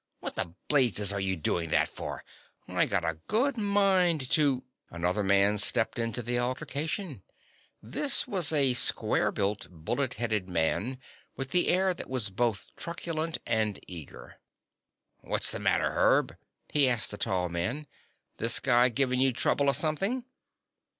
What the blazes are you doing that for? I got a good mind to " Another man stepped into the altercation. This was a square built, bullet headed man with an air that was both truculent and eager. "What's the matter, Herb?" he asked the tall man. "This guy giving you trouble or something?"